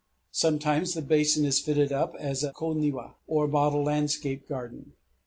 Sometimes the basin is fitted up as a ko niwa, or model landscape garden.